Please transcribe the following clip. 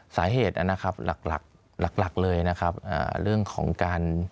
สาเหตุลักษณ์เลยนะครับเรื่องของการ